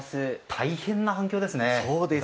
大変な反響ですね。